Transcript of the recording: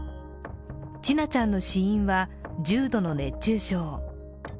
千奈ちゃんの死因は重度の熱中症。